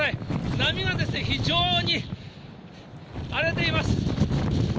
波が非常に荒れています。